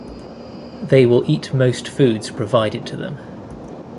They will eat most foods provided to them.